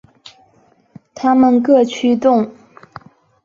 它们各负责驱动一副直径为的三叶螺旋桨。